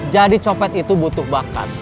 jadi copet itu butuh bakat